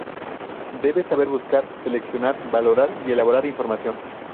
Debe saber buscar, seleccionar, valorar y elaborar información.